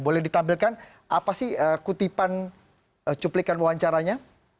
boleh ditampilkan apa sih kutipan cuplikan wawancaranya